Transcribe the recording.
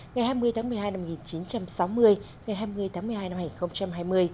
ngày hai mươi tháng một mươi hai năm một nghìn chín trăm sáu mươi ngày hai mươi tháng một mươi hai năm hai nghìn hai mươi